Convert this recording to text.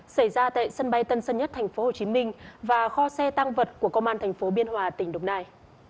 xảy ra tại sân bay tân sân nhất tp hcm và kho xe tăng vật của công an tp biên hòa tỉnh đồng nai